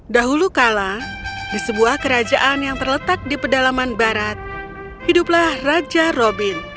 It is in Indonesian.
dahulu kala di sebuah kerajaan yang terletak di pedalaman barat hiduplah raja robin